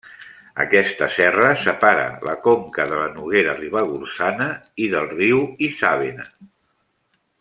Aquesta serra separa la conca de la Noguera Ribagorçana i del riu Isàvena.